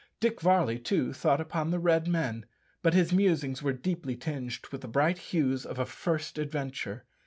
Dick Varley, too, thought upon the Red men, but his musings were deeply tinged with the bright hues of a first adventure.